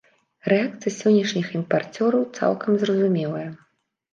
Рэакцыя сённяшніх імпарцёраў цалкам зразумелая.